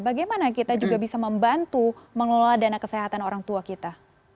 bagaimana kita juga bisa membantu mengelola dana kesehatan orang tua kita